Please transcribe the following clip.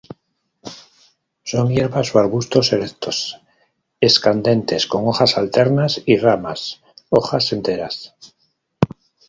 Son hierbas o arbustos erectos escandentes con hojas alternas y ramas, hojas enteras.